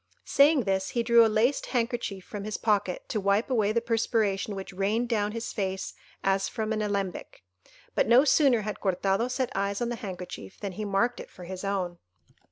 Saying this, he drew a laced handkerchief from his pocket to wipe away the perspiration which rained down his face as from an alembic; but no sooner had Cortado set eyes on the handkerchief, than he marked it for his own.